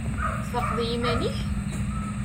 Tfaqeḍ i yiman-ik?